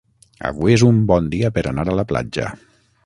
Avui és un bon dia per anar a la platja.